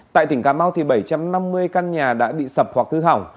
tại tỉnh cà mau bảy trăm năm mươi căn nhà đã bị sập hoặc hư hỏng